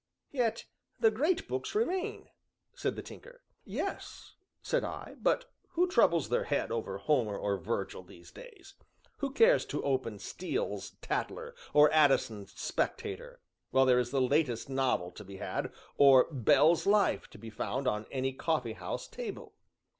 "Yet the great books remain," said the Tinker. "Yes," said I; "but who troubles their head over Homer or Virgil these days who cares to open Steele's 'Tatler,' or Addison's 'Spectator,' while there is the latest novel to be had, or 'Bell's Life' to be found on any coffee house table?"